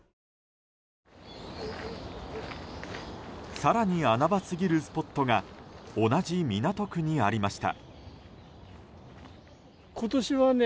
更に穴場すぎるスポットが同じ港区にありました。